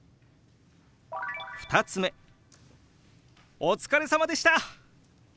２つ目「お疲れさまでした！」。